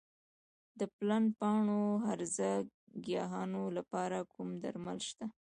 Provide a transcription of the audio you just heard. د پلن پاڼو هرزه ګیاوو لپاره کوم درمل شته؟